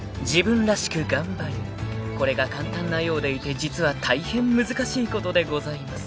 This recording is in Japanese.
［これが簡単なようでいて実は大変難しいことでございます］